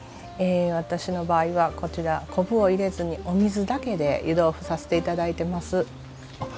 私の場合はこちら昆布を入れずにお水だけで湯豆腐させて頂いてます。